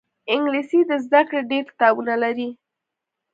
انګلیسي د زده کړې ډېر کتابونه لري